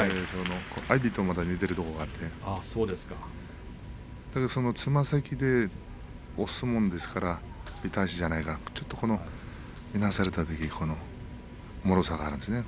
阿炎と似ているところがあってつま先で押すものですからベタ足じゃないからいなされるたびにもろさがあるんですね。